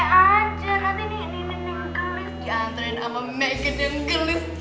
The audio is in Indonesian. nanti nih neneng kelis diantarin sama megan dan kelis juga